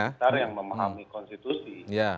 mereka juga orang besar yang memahami konstitusi